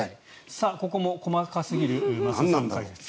ここも細かすぎる増田さんの解説。